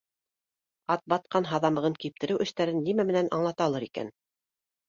Атбатҡан һаҙамығын киптереү эштәрен нимә менән аңлата алыр икән?